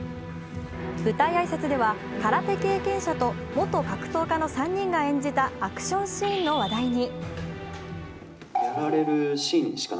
舞台挨拶では、空手経験者と元格闘家の３人が演じたアクションシーンの話題に。